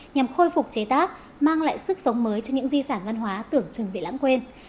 nhằm khôi phục chế tác mang lại sức sống mới cho những di sản văn hóa tưởng chừng bị lãng quên